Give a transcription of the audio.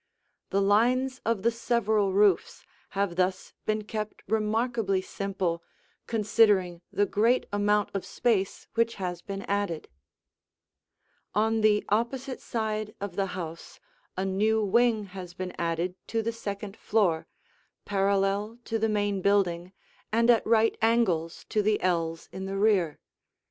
The lines of the several roofs have thus been kept remarkably simple, considering the great amount of space which has been added. [Illustration: Remodeled] [Illustration: Side View] On the opposite side of the house a new wing has been added to the second floor, parallel to the main building and at right angles to the ells in the rear.